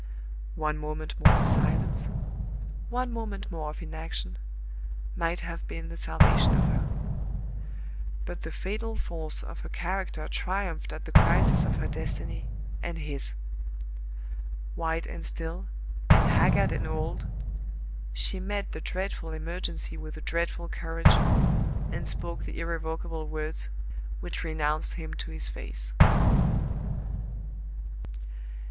One moment more of silence, one moment more of inaction, might have been the salvation of her. But the fatal force of her character triumphed at the crisis of her destiny, and his. White and still, and haggard and old, she met the dreadful emergency with a dreadful courage, and spoke the irrevocable words which renounced him to his face.